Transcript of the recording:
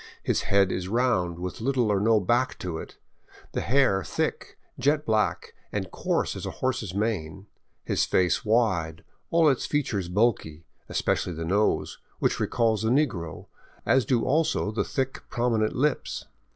His head is round, with little or no back to it, the hair thick, jet black, and coarse as a horse's mane, his face wide, all its features bulky, especially the nose, which recalls the negro, as do also the thick, prominent lips.